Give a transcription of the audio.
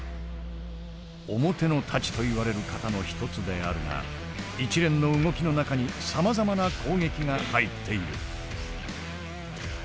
「表之太刀」といわれる型の一つであるが一連の動きの中にさまざまな攻撃が入っている。